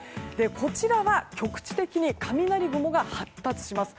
こちらは局地的に雷雲が発達します。